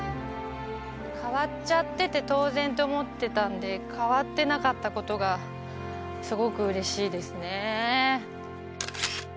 変わっちゃってて当然って思ってたんで変わってなかったことがすごくうれしいですね。